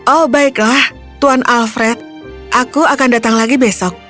oh baiklah tuan alfred aku akan datang lagi besok